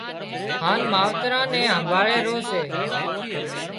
هانَ ماوتران نين همڀاۯي رو سي